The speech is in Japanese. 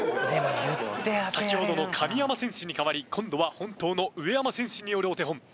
先ほどのカミヤマ選手にかわり今度は本当の上山選手によるお手本。